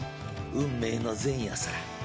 運命の前夜さ。